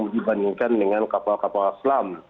dibandingkan dengan kapal kapal selam